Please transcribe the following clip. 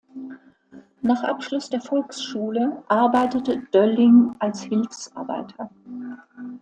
Nach Abschluss der Volksschule arbeitete Dölling als Hilfsarbeiter.